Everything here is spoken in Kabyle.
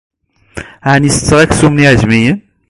Ɛni ttetteɣ aksum n yiɛejmiyen?